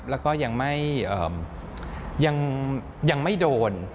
แล้วก็ยังไม่โดน